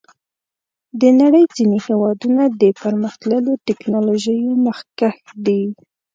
د نړۍ ځینې هېوادونه د پرمختللو ټکنالوژیو مخکښ دي.